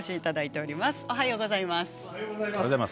おはようございます。